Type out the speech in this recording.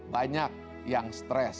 banyak yang stres